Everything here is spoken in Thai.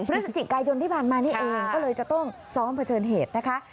พฤศจิกายนที่ผ่านมานี่เองก็เลยจะต้องซ้อมเผชิญเหตุนะคะ